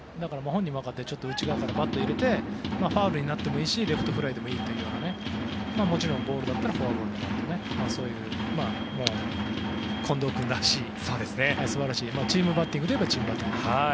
本人もわかって内側からバットを入れてファウルになってもいいしレフトフライになってもいいというもちろんボールだったらフォアボールとそういう近藤君らしい素晴らしいチームバッティングです。